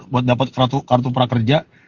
buat dapet kartu prakerja